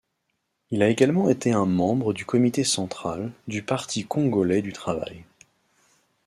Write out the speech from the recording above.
Il a également été un membre du Comité Central, du Parti Congolais du Travail.